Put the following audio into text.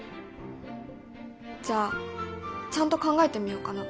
じゃあちゃんと考えてみようかな。